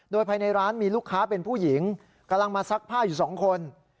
โดยภายในร้านมีลูกค้าเป็นผู้หญิงกำลังมาซักผ้าอยู่สองคน